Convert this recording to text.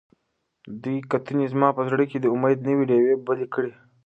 دې کتنې زما په زړه کې د امید نوې ډیوې بلې کړې.